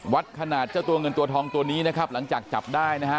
วัดขนาดเจ้าตัวเงินตัวทองตัวนี้นะครับหลังจากจับได้นะฮะ